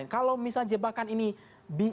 kalau misalnya jebakan ini